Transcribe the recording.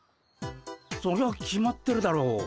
そりゃ決まってるだろ。